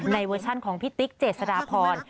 เวอร์ชันของพี่ติ๊กเจษฎาพร